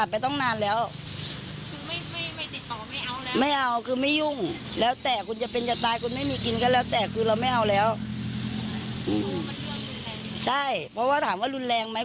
ปุ๊บปขอถามว่าหลุนแรงไหม